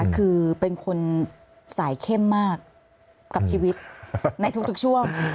คือเป็นคนสายเข้มมากกับชีวิตในทุกช่วง